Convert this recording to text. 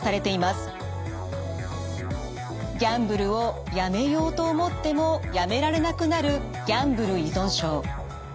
ギャンブルをやめようと思ってもやめられなくなるギャンブル依存症。